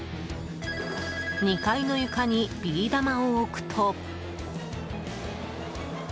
２階の床にビー玉を置くと。